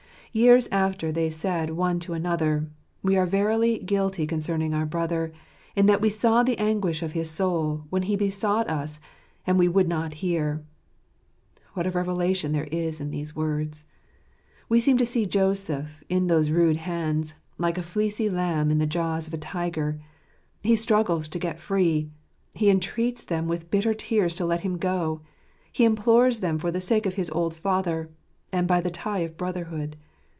Years after they said one to another, "We are verily guilty concerning our brother, in that we saw the anguish of his soul, when he besought us and we would not hear." What a revelation there is in these words ! We seem to see Joseph, in those rude hands, like a fleecy lamb in the jaws of a tiger. He struggles to get free. He entreats them with bitter tears to let him go. He implores them for the sake of his old father, and by the tie of brotherhood.